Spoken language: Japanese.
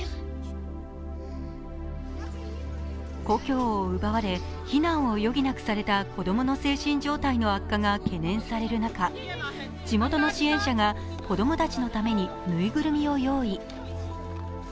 故郷を奪われ、避難を余儀なくされた子供の精神状態の悪化が懸念される中地元の支援者が子供たちのためにぬいぐるみを用意。